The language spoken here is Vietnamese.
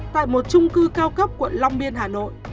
tại một trung cư cao cấp quận long biên hà nội